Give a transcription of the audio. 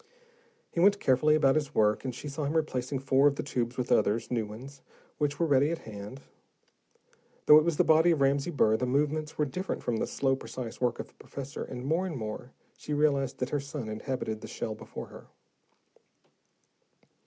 He went carefully about his work, and she saw him replacing four of the tubes with others, new ones, which were ready at hand. Though it was the body of Ramsey Burr, the movements were different from the slow, precise work of the professor, and more and more, she realized that her son inhabited the shell before her.